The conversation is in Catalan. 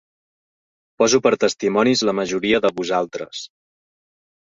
Poso per testimonis la majoria de vosaltres.